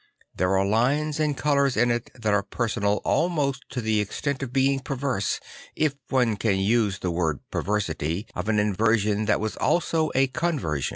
There are lines and colours in it that are personal almost to the extent of being perverse, if one can use the word perver sity of an inversion that was also a conversion.